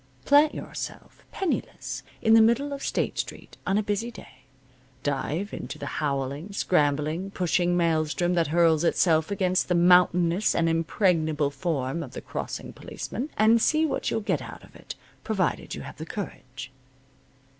Plant yourself, penniless, in the middle of State Street on a busy day, dive into the howling, scrambling, pushing maelstrom that hurls itself against the mountainous and impregnable form of the crossing policeman, and see what you'll get out of it, provided you have the courage.